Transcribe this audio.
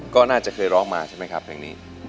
ก็น่าจะเคยร้องมาใช่ไหมครับเพลงนี้